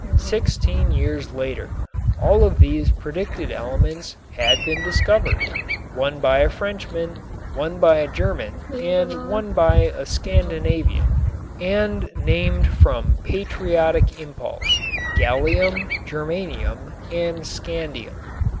Sixteen years later all three of these predicted elements had been discovered, one by a Frenchman, one by a German and one by a Scandinavian, and named from patriotic impulse, gallium, germanium and scandium.